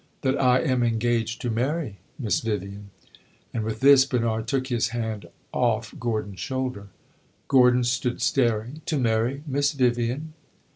"That I am engaged to marry Miss Vivian." And with this Bernard took his hand off Gordon's shoulder. Gordon stood staring. "To marry Miss Vivian?"